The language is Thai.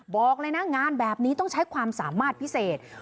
บอกเลยนะงานแบบนี้ต้องใช้ความสามารถพิเศษ